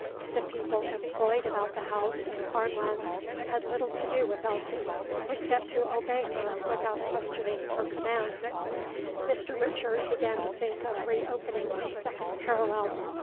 The people employed about the house and farm lands had little to do with Elsie, except to obey her without questioning her commands. Mr. Richard began to think of reopening his second parallel.